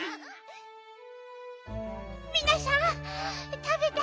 みなしゃんたべて。